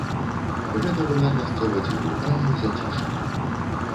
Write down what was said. Гэта была мясцовасць глухая і зацішная.